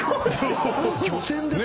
漁船ですよ！